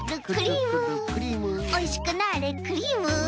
おいしくなあれクリーム。